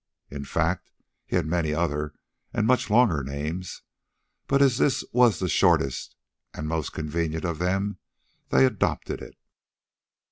In fact he had many other and much longer names, but as this was the shortest and most convenient of them, they adopted it.